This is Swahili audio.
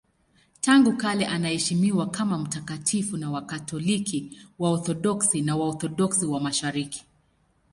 Tangu kale anaheshimiwa kama mtakatifu na Wakatoliki, Waorthodoksi na Waorthodoksi wa Mashariki.